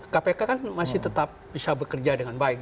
kpk kan masih tetap bisa bekerja dengan baik